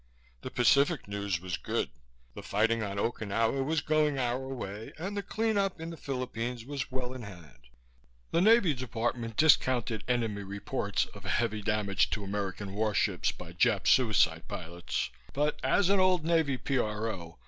The Pacific news was good. The fighting on Okinawa was going our way and the clean up in the Philippines was well in hand. The Navy Department discounted enemy reports of heavy damage to American warships by Jap suicide pilots but, as an old Navy P.R.O.